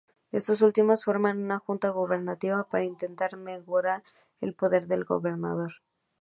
Estos últimos, formaron una "Junta Gubernativa" para intentar menguar el poder del gobernador.